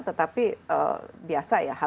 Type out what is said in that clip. tetapi biasa ya